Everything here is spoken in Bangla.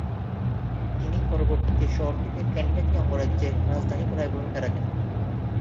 তিনি পরবর্তীতে শহরটিকে কেন্টাকি অঙ্গরাজ্যের রাজধানী করায় ভূমিকা রাখেন।